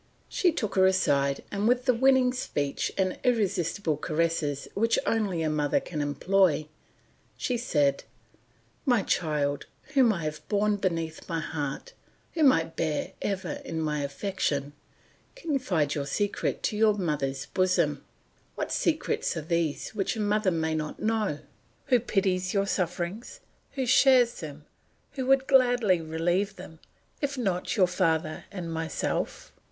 She took her aside, and with the winning speech and the irresistible caresses which only a mother can employ, she said, "My child, whom I have borne beneath my heart, whom I bear ever in my affection, confide your secret to your mother's bosom. What secrets are these which a mother may not know? Who pities your sufferings, who shares them, who would gladly relieve them, if not your father and myself?